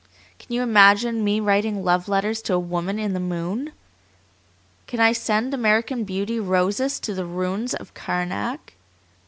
Can you imagine me writing love letters to a woman in the moon? Can I send American Beauty roses to the ruins of Karnak?